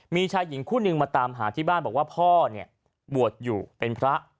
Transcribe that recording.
มีชายหญิงคู่นึงมาตามหาที่บ้านบอกว่าพ่อเนี่ยบวชอยู่เป็นพระ